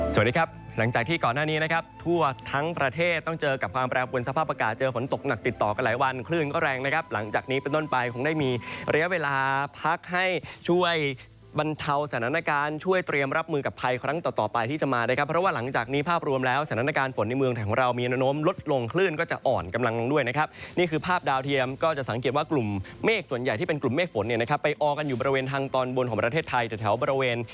สวัสดีครับหลังจากที่ก่อนหน้านี้นะครับทั่วทั้งประเทศต้องเจอกับความแปรบวลสภาพอากาศเจอฝนตกหนักติดต่อกันหลายวันคลื่นก็แรงนะครับหลังจากนี้เป็นต้นไปคงได้มีเรียวเวลาพักให้ช่วยบรรเทาสถานการณ์ช่วยเตรียมรับมือกับภัยครั้งต่อต่อไปที่จะมาได้ครับเพราะว่าหลังจากนี้ภาพรวมแล้วสถ